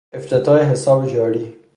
افتتاح حساب جاری.